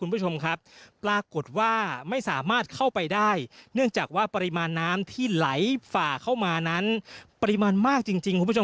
ปรากฏว่าไม่สามารถเข้าไปได้เนื่องจากว่าปริมาณน้ำที่ไหลฝ่าเข้ามานั้นปริมาณมากจริง